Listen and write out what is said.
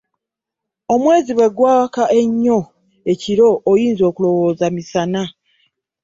Omwezi bwe gwaka ennyo ekiro oyinza okulowooza misana.